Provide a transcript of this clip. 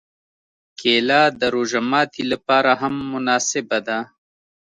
کېله د روژه ماتي لپاره هم مناسبه ده.